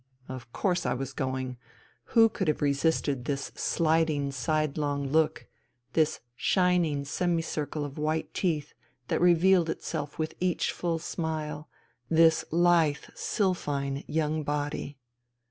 Of course I was going. Who could have resisted this sliding side long look ; this shining semicircle of white teeth that revealed itself with each full smile ; this lithe, sylphine young body